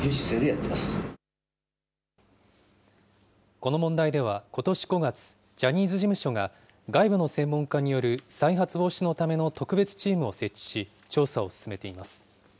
この問題では、ことし５月、ジャニーズ事務所が、外部の専門家による再発防止のための特別チームを設置し、調査を進めています。